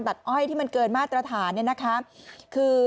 อ้อยที่มันเกินมาตรฐานเนี่ยนะคะคือ